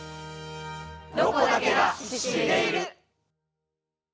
「ロコだけが知っている」。